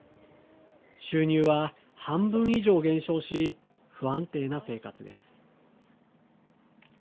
収入は半分以上減少し不安定な生活です。